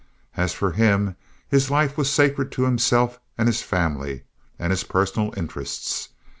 As for him, his life was sacred to himself and his family and his personal interests.